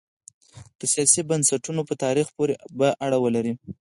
د سیاسي بنسټونو په تاریخ پورې به اړه ولري.